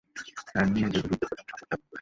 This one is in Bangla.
তাদের নিয়েই বুদ্ধ প্রথম সংঘ স্থাপন করেন।